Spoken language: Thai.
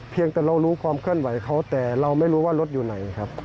เพียงแต่เรารู้ความเคลื่อนไหวเขาแต่เราไม่รู้ว่ารถอยู่ไหนครับ